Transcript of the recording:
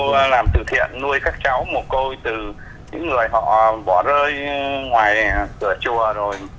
cô làm từ thiện nuôi các cháu một cô từ những người họ vỏ rơi ngoài cửa chùa rồi